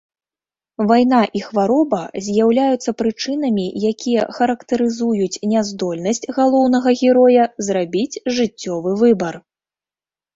Вайна і хвароба з'яўляюцца прычынамі, якія характарызуюць няздольнасць галоўнага героя зрабіць жыццёвы выбар.